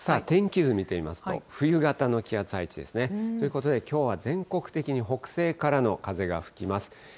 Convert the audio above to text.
天気図見てみますと、冬型の気圧配置ですね。ということできょうは全国的に北西からの風が吹きます。